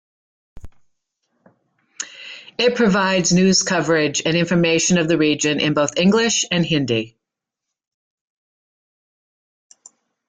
It provides news coverage and information of the region in both English and Hindi.